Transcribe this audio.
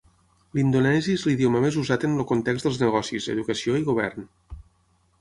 L'indonesi és l'idioma més usat en el context dels negocis, educació i govern.